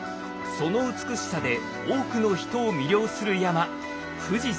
その美しさで多くの人を魅了する山